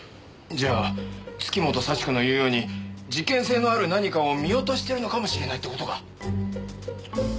じゃあ月本幸子の言うように事件性のある何かを見落としてるのかもしれないって事か？